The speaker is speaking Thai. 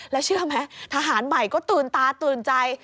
แล้วเชื่อไหมทหารใหม่ก็ตื่นตาตื่นใจ